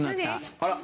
あら。